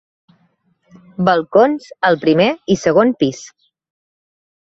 Balcons al primer i segon pis.